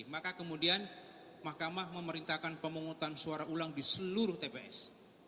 maka kemudian mahkamah memerintahkan pemungutan suara ulang di seluruh tps